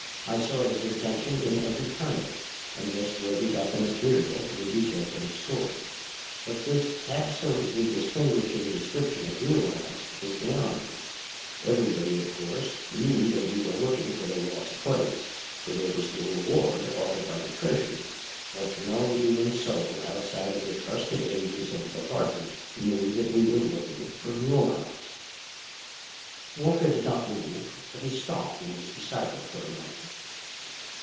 I saw his intention in every turn of it and just where he got the material for the details of his story. But this absolutely distinguishing description of Mulehaus was beyond me. Everybody, of course, knew that we were looking for the lost plates, for there was the reward offered by the Treasury; but no human soul outside of the trusted agents of the department knew that we were looking for Mulehaus." Walker did not move, but he stopped in his recital for a moment.